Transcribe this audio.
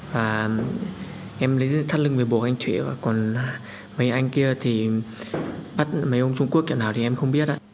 và em lấy thắt lưng với bộ anh thủy và còn mấy anh kia thì bắt mấy ông trung quốc kiểu nào thì em không biết ạ